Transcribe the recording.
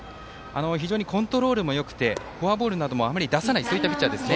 非常にコントロールもよくてフォアボールなどもあまり出さないピッチャーです。